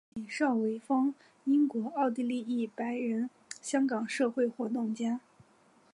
父亲邵维钫英国奥地利裔白人香港社会活动家。